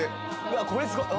これすごい。